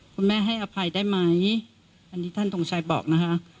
คุณแม่ให้อภัยได้ไหมอันนี้ท่านทงชัยบอกนะคะ